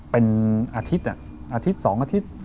เป็นอาทิตย์๒๓อาทิตย์